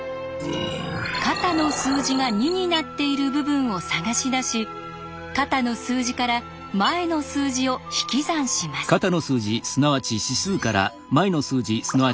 肩の数字が２になっている部分を探し出し肩の数字から前の数字を引き算します。